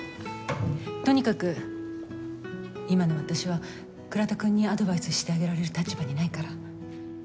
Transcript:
とにかく今の私は倉田くんにアドバイスしてあげられる立場にないから。